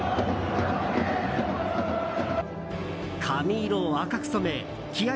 髪色を赤く染め気合